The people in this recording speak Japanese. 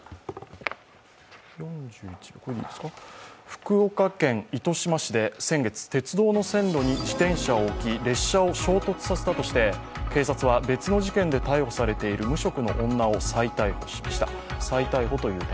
福岡県糸島市で先月、鉄道の線路に自転車を置き、列車を衝突させたとして警察は別の事件で逮捕されている無職の女を再逮捕しました。